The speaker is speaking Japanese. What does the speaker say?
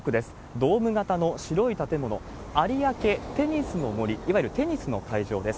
ドーム型の白い建物、有明テニスの森、いわゆるテニスの会場です。